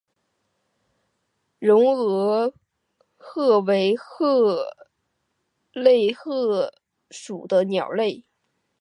绒额䴓为䴓科䴓属的鸟类。